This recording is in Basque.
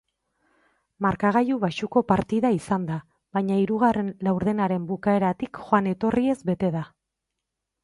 Markagailu baxuko partida izan da, baina hirugarren laurdenaren bukaeratik joan-etorriez bete da.